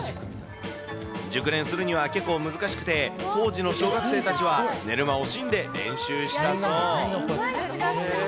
熟練するには結構難しくて、当時の小学生たちは寝る間を惜しんで練習したそう。